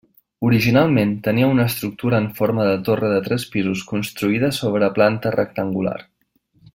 Originalment tenia una estructura en forma de torre de tres pisos construïda sobre planta rectangular.